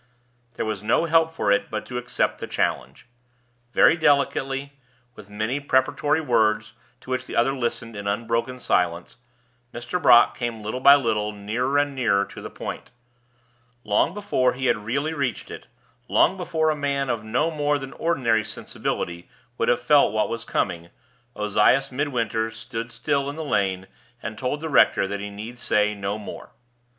There was no help for it but to accept the challenge. Very delicately, with many preparatory words, to which the other listened in unbroken silence, Mr. Brock came little by little nearer and nearer to the point. Long before he had really reached it long before a man of no more than ordinary sensibility would have felt what was coming Ozias Midwinter stood still in the lane, and told the rector that he need say no more.